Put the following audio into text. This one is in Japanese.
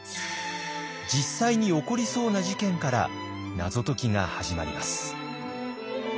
実際に起こりそうな事件から謎解きが始まります。